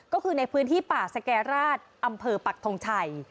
ก็คือในพื้นที่ป่าแซแก๊ราชอำเภอปรักษ์ทรงไช